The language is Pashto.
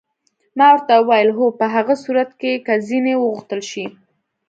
ما ورته وویل: هو، په هغه صورت کې که ځینې وغوښتل شي.